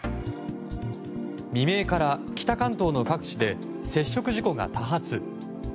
未明から北関東の各地で接触事故が多発。